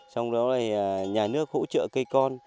xong đó là nhà nước hỗ trợ cây con